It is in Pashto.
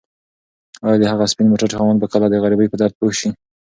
ایا د هغه سپین موټر خاوند به کله د غریبۍ په درد پوه شي؟